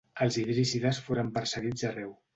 Els idríssides foren perseguits arreu.